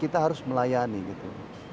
kita harus melayani gitu